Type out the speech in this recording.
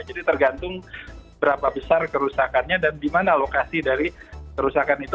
jadi tergantung berapa besar kerusakannya dan di mana lokasi dari kerusakan itu